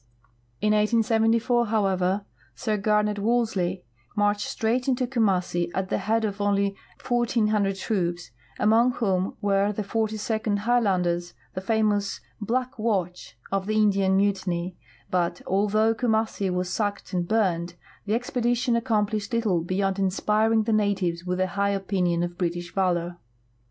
In 1874, however. Sir Garnet Wolseley marched straight into Kumassi at the head of only 1,400 troops, among whom were the 42d Highlanders, the famous "Black Watch" of the Indian mutiny; but, although Kumassi was sacked and burned, the expedition accomplished little beyond inspiring the natives with a high opinion of British valor.